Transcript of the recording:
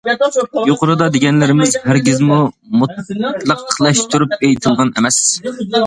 يۇقىرىدا دېگەنلىرىمىز ھەرگىزمۇ مۇتلەقلەشتۈرۈپ ئېيتىلغان ئەمەس.